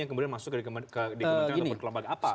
yang kemudian masuk ke kementerian atau kelompok apa